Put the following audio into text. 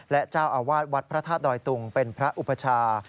และเจ้าอาวาสวัดพระธาตุดอยตุงเป็นพระอุปชา